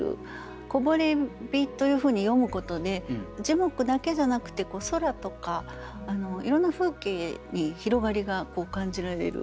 「こぼれ日」というふうに詠むことで樹木だけじゃなくて空とかいろんな風景に広がりが感じられる